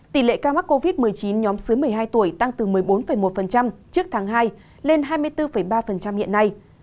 tỷ lệ ca mắc covid một mươi chín nhóm dưới một mươi hai tuổi tăng từ một mươi bốn một trước tháng hai lên hai mươi bốn ba hiện nay